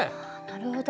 なるほど。